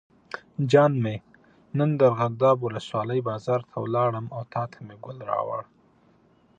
جان مې نن ارغنداب ولسوالۍ بازار ته لاړم او تاته مې ګل راوړل.